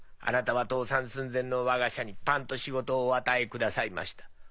あなたは倒産寸前のわが社にパンと仕事をお与えくださいました。